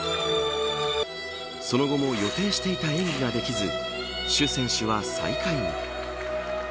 その後も予定していた演技ができずシュ選手は最下位に。